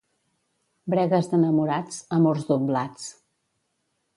Bregues d'enamorats, amors doblats.